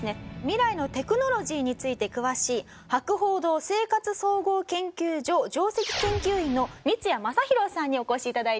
未来のテクノロジーについて詳しい博報堂生活総合研究所上席研究員の三矢正浩さんにお越し頂いています。